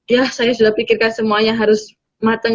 ya saya sudah pikirkan semuanya harus matang